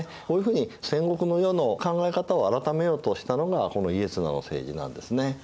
こういうふうに戦国の世の考え方を改めようとしたのがこの家綱の政治なんですね。